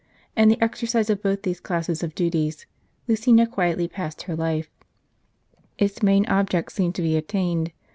In the exercise of both these classes of duties, Lucina quietly passed her life. Its main object seemed to be attained.